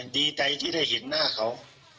ดีใจที่ได้เห็นหน้าเขา